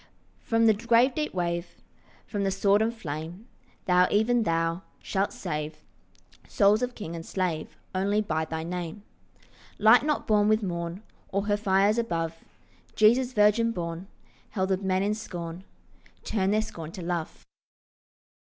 From the grave deep wave, From the sword and flame, Thou, even thou, shalt save Souls of king and slave Only by thy Name. Light not born with morn Or her fires above, Jesus virgin born, Held of men in scorn, Turn their scorn to love.